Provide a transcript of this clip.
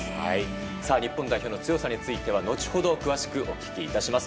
日本代表の強さについては後ほど、詳しくお聞きいたします。